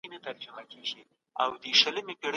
اقتصادي وده د انساني پانګې له پیاوړتیا سره تړلې ده.